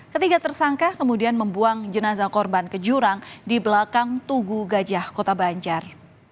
ketiga tersangka kemudian membuang jenazah korban ke jurang di belakang tugu gajah kota banjar